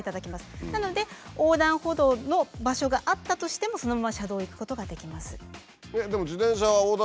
なので横断歩道の場所があったとしてもそのまま車道を行くことができます。